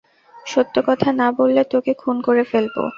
সত্য কথা না বললে তোকে খুন করে ফেল্ব।